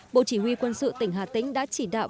bộ chỉ huy quân sự tỉnh hà tĩnh đã chỉ đạo